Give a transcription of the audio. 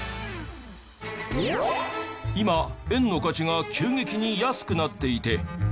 今円の価値が急激に安くなっていて。